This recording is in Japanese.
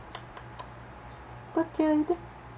こっちおいで。